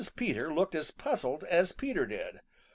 Peter looked as puzzled as Peter did.